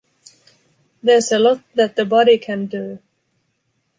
There’s a lot that a body can do.